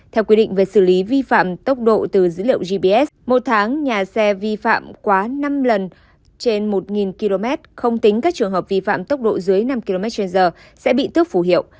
theo quy định về xử lý vi phạm tốc độ từ dữ liệu gps một tháng nhà xe vi phạm quá năm lần trên một km không tính các trường hợp vi phạm tốc độ dưới năm km trên giờ sẽ bị tước phù hiệu